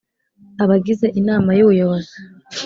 abagize inama y ubuyobozi